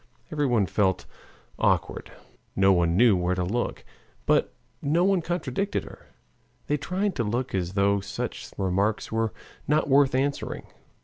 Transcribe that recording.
Everyone felt awkward, none knew where to look, but no one contradicted her. They tried to look as though such remarks were not worth answering.